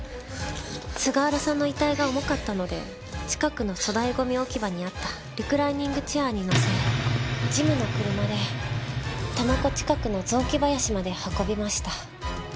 菅原さんの遺体が重かったので近くの粗大ゴミ置き場にあったリクライニングチェアにのせジムの車で多摩湖近くの雑木林まで運びました。